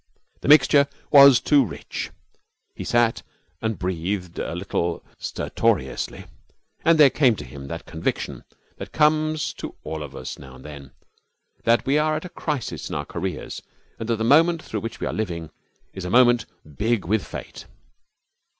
The mixture was too rich. He sat and breathed a little stertorously, and there came to him that conviction that comes to all of us now and then, that we are at a crisis of our careers and that the moment through which we are living is a moment big with fate.